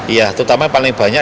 iya terutama paling banyak